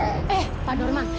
eh pak dorman